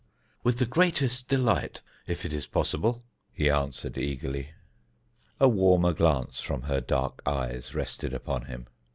"With the greatest delight, if it is possible," he answered eagerly. A warmer glance from her dark eyes rested upon him.